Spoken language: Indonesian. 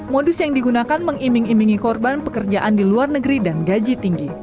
modus yang digunakan mengiming imingi korban pekerjaan di luar negeri dan gaji tinggi